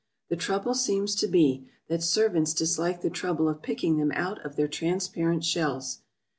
The trouble seems to be, that servants dislike the trouble of picking them out of their transparent shells.